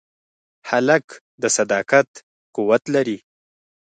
هلک د صداقت قوت لري.